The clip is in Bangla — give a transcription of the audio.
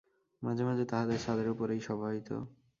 মাঝে মাঝে তাঁহাদের ছাদের উপরেই সভা হইত।